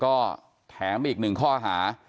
ก็แถมอีกหนึ่งข้อหา